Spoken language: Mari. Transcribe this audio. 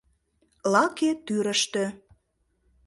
Лаке тӱрыштӧ.